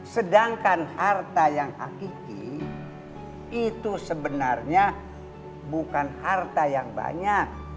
sedangkan harta yang akiki itu sebenarnya bukan harta yang banyak